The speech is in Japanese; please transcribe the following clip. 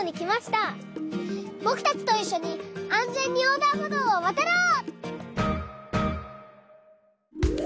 ぼくたちといっしょにあんぜんにおうだんほどうをわたろう！